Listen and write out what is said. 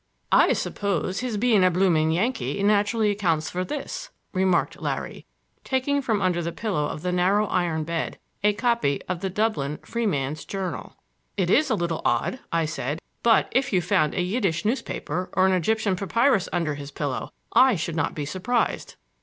"I suppose his being a bloomin' Yankee naturally accounts for this," remarked Larry, taking from under the pillow of the narrow iron bed a copy of the Dublin Freeman's Journal. "It is a little odd," I said. "But if you found a Yiddish newspaper or an Egyptian papyrus under his pillow I should not be surprised."